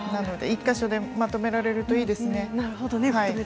１か所でまとめられるといいですね。